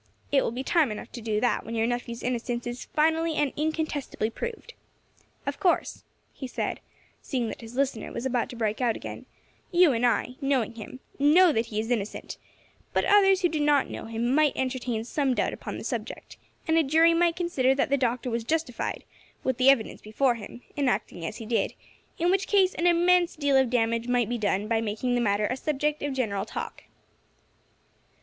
It will be time enough to do that when your nephew's innocence is finally and incontestably proved. Of course," he said, seeing that his listener was about to break out again, "you and I, knowing him, know that he is innocent; but others who do not know him might entertain some doubt upon the subject, and a jury might consider that the Doctor was justified, with the evidence before him, in acting as he did, in which case an immense deal of damage might be done by making the matter a subject of general talk."